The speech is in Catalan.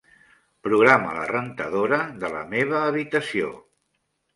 Programa la rentadora de la meva habitació.